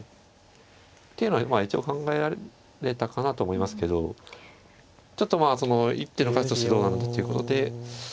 っていうのは一応考えられたかなと思いますけどちょっと一手の価値としてどうなんだということで。